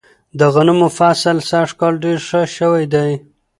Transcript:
د غنمو فصل سږ کال ډیر ښه شوی دی.